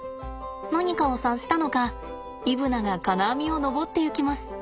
何かを察したのかイブナが金網を登っていきます。